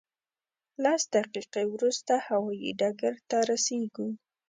لس دقیقې وروسته هوایي ډګر ته رسېږو.